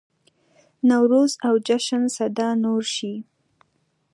نوروز او جشن سده نور شي.